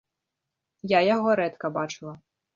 Я яго рэдка бачыла.